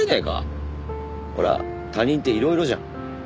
ほら他人っていろいろじゃん。